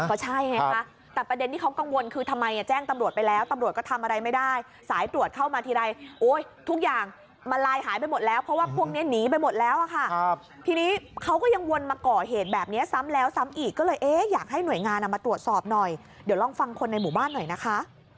ก็ใช่ไงคะแต่ประเด็นที่เขากังวลคือทำไมแจ้งตำรวจไปแล้วตำรวจก็ทำอะไรไม่ได้สายตรวจเข้ามาทีไรโอ้ยทุกอย่างมันลายหายไปหมดแล้วเพราะว่าพวกนี้หนีไปหมดแล้วอะค่ะทีนี้เขาก็ยังวนมาก่อเหตุแบบนี้ซ้ำแล้วซ้ำอีกก็เลยเอ๊ะอยากให้หน่วยงานมาตรวจสอบหน่อยเดี๋ยวลองฟังคนในหมู่บ้านหน่อยนะคะ